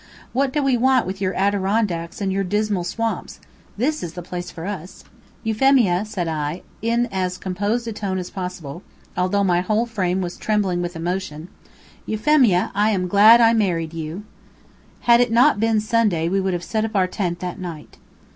"What do we want with your Adirondacks and your Dismal Swamps? This is the spot for us!" "Euphemia," said I, in as composed a tone as possible, although my whole frame was trembling with emotion, "Euphemia, I am glad I married you!" Had it not been Sunday, we would have set up our tent that night.